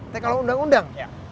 tapi kalau undang undang